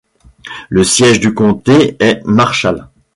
Le siège du comté est Marshall.